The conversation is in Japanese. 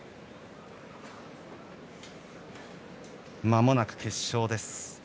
まもなく決勝です。